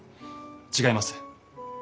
違います。